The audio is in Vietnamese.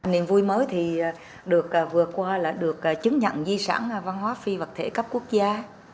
niềm vui mới thì được vừa qua là được chứng nhận di sản văn hóa phi vật thể cấp quốc gia